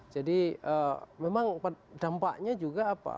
jadi memang dampaknya juga apa